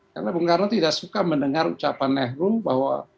karena bung karno tidak suka mendengar ucapan nehru bahwa